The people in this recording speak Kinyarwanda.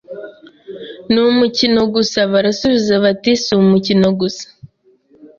“Ni umukino gusa!” Barasubiza bati si umukino gusa